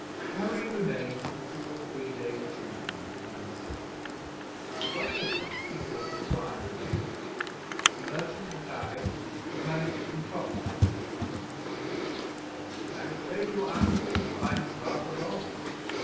Harry remained for two or three days' shooting with Mountjoy, and once or twice he saw the squire again. "Merton and I have managed to concoct that letter," said the squire. "I'm afraid your uncle will find it rather long.